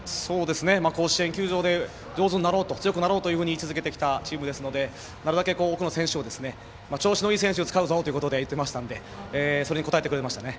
甲子園球場で上手になろう、強くなろうと言い続けてきたチームですのでなるだけ多くの選手調子のいい選手を使うぞと言っていたのでそれに応えてくれましたね。